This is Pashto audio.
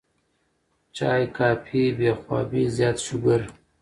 چائے ، کافي ، بې خوابي ، زيات شوګر